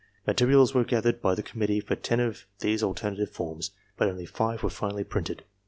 Materials were gathered by the committee for ten of these alternative forms, but only five were finally printed.